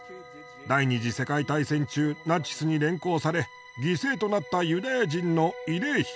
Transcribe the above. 第二次世界大戦中ナチスに連行され犠牲となったユダヤ人の慰霊碑です。